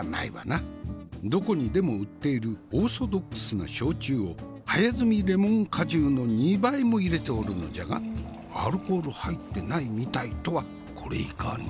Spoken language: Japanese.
どこにでも売っているオーソドックスな焼酎を早摘みレモン果汁の２倍も入れておるのじゃがアルコール入ってないみたいとはこれいかに？